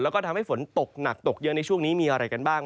แล้วก็ทำให้ฝนตกหนักตกเยอะในช่วงนี้มีอะไรกันบ้าง